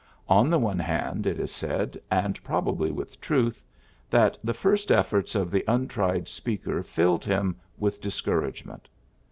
On the one hand, it is said, and probably with truth, that the first efforts of the untried speaker filled him with discour agement.